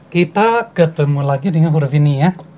kita ketemu lagi dengan huruf ini ya